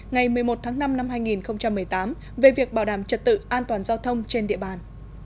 ngày một mươi một tháng năm năm hai nghìn một mươi tám về việc bảo đảm trật tự an toàn giao thông trên địa bàn